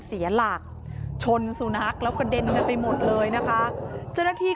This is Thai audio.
เสียหลักชนสุนัขแล้วกระเด็นกันไปหมดเลยนะคะเจ้าหน้าที่